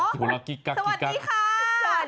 สวัสดีค่า